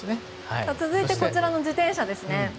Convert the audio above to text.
続いてこちらの自転車ですね。